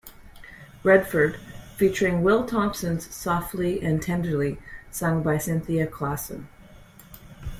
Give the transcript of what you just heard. Redford featuring Will Thompson's "Softly and Tenderly" sung by Cynthia Clawson.